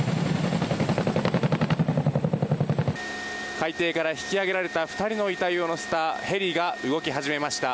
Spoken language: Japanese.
海底から引き揚げられた２人の遺体を乗せたヘリが動き始めました。